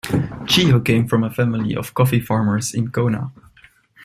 Chiyo came from a family of coffee farmers in Kona.